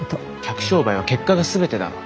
客商売は結果が全てだろ。